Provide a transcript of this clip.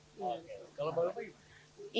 kalau baru pagi